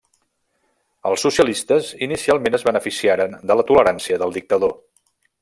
Els socialistes inicialment es beneficiaren de la tolerància del dictador.